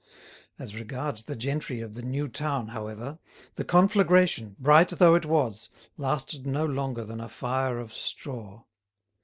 As regards the gentry of the new town, however, the conflagration, bright though it was, lasted no longer than a fire of straw.